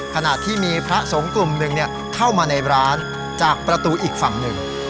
ขณะที่มีพระสงฆ์กลุ่มหนึ่งเข้ามาในร้านจากประตูอีกฝั่งหนึ่ง